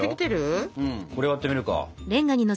これ割ってみるか。